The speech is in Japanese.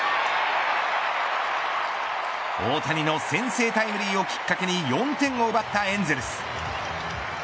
大谷の先制タイムリーをきっかけに４点を奪ったエンゼルス。